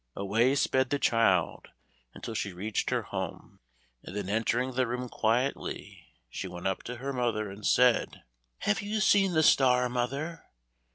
Away sped the child until she reached her home, and then entering the room quietly, she went up to her mother and said: "Have you seen the star, mother?"